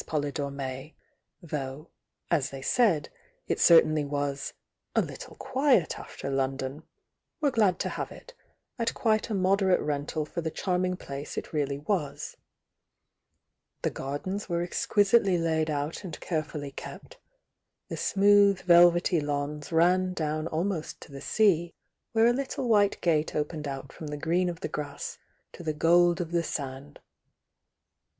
Polydore May though, as they said, it certainly was "a Uttle quietafter London,'' were glad to have i" at quite a moderate rental for the charming place it reSly was The gardens were exquisitely laid out and carefully kept; the smooth velvety lawns r^ do^ ^t^th^ "' ^^f'^u" '''*''^^ 8»te opened out from the green of the grass to the gold of the T?f.nr"l® '■°?"